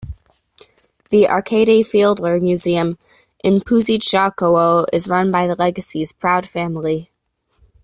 The Arkady Fiedler Museum in Puszczykowo is run by the legacy's proud family.